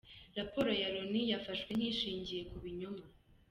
Raporo ya Loni yafashwe nk’ishingiye ku binyoma.